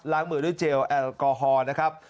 มือด้วยเจลแอลกอฮอล์นะครับ